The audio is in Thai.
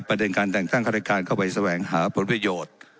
ประเด็นการแต่งตั้งฆาตการเข้าไปแสวงหาผลประโยชน์